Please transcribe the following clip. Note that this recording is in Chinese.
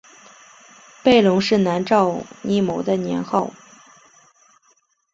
见龙是南诏异牟寻的年号。